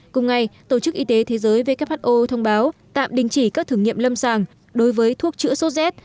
cùng ngày tổ chức y tế thế giới who thông báo tạm đình chỉ các thử nghiệm lâm sàng đối với thuốc chữa sốt z